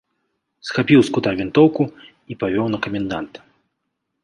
Схапіў з кута вінтоўку і павёў на каменданта.